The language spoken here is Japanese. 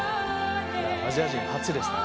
アジア人初ですね。